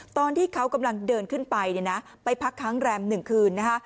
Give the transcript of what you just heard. ตอนที่เขากำลังเดินขึ้นไปเนี่ยนะไปพักค้างแรม๑คืนนะคะ